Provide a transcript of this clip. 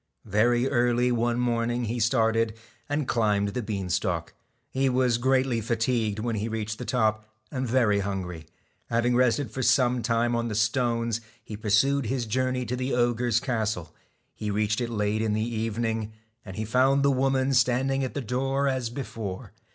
Very early one morning he started, and climbed the bean stalk. He was greatly fatigued when he reached the top, and very hungry. Having rested for some time on the stones, he pursued his journey to the ogre's castle. He reached it late in the evening ; and he found the woman standing at the door as before.